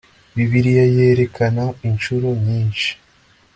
bibiliya yerekana inshuro nyinshi